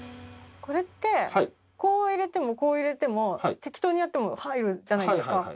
これってこう入れてもこう入れても適当にやっても入るじゃないですか。